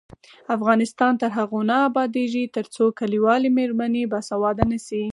افغانستان تر هغو نه ابادیږي، ترڅو کلیوالې میرمنې باسواده نشي.